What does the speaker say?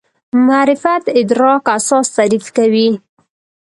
معرفت ادراک اساس تعریف کوي.